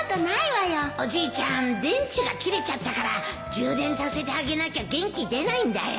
おじいちゃん電池が切れちゃったから充電させてあげなきゃ元気出ないんだよ